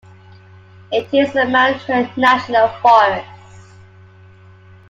It is in the Mount Hood National Forest.